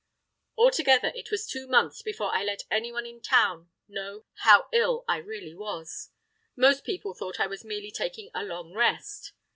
Altogether it was two months before I let anyone in town know how ill I really was; most people thought I was merely taking a long rest.